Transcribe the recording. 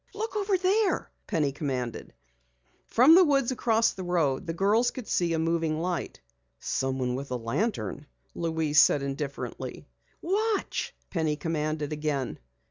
"Look over there!" Penny commanded. From the woods across the road the girls could see a moving light. "Someone with a lantern," Louise said indifferently. "Watch!" Penny commanded again.